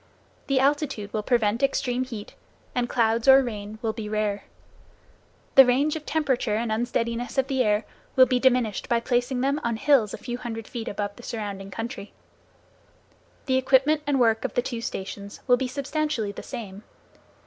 The altitude will prevent extreme heat, and clouds or rain will be rare. The range of temperature and unsteadiness of the air will be diminished by placing them on hills a few hundred feet above the surrounding country. The equipment and work of the two stations will be substantially the same.